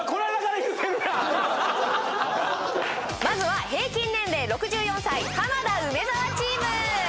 まずは平均年齢６４歳浜田梅沢チーム